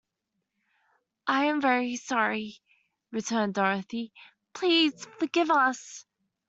"I'm very sorry," returned Dorothy; "please forgive us."